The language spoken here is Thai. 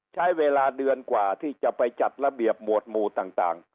ใช้เวลาเดือนกว่าที่จะไปจัดระเบียบหมวดหมู่ต่าง